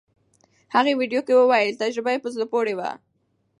هغې ویډیو کې وویل تجربه یې په زړه پورې وه.